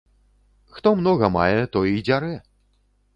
Хто многа мае, той і дзярэ.